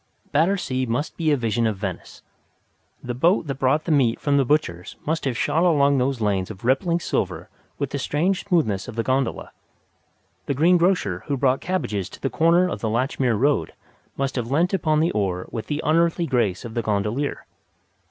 Battersea must be a vision of Venice. The boat that brought the meat from the butcher's must have shot along those lanes of rippling silver with the strange smoothness of the gondola. The greengrocer who brought cabbages to the corner of the Latchmere Road must have leant upon the oar with the unearthly grace of the gondolier.